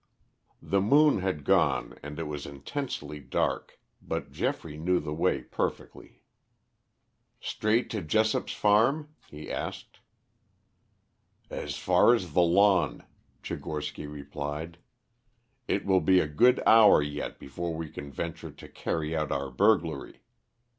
The moon had gone and it was intensely dark, but Geoffrey knew the way perfectly. "Straight to Jessop's farm?" he asked. "As far as the lawn," Tchigorsky replied. "It will be a good hour yet before we can venture to carry out our burglary.